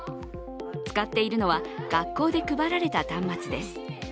使っているのは学校で配られた端末です。